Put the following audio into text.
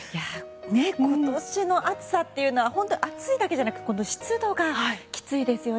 今年の暑さは暑いだけじゃなく湿度がきついですよね。